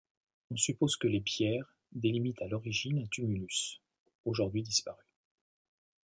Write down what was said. On suppose que les pierres délimitent à l'origine un tumulus, aujourd'hui disparu.